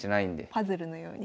パズルのように。